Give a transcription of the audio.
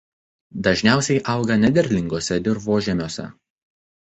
Dažniausiai auga nederlinguose dirvožemiuose.